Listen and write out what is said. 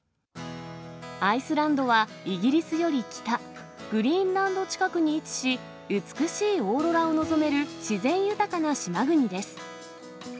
アイスランドはイギリスより北、グリーンランド近くに位置し、美しいオーロラを望める自然豊かな島国です。